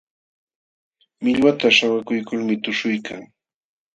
Millwata śhawakuykulmi tuśhuykan.